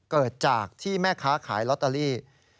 เกิดจากที่แม่ค้าขายลอตเตอรี่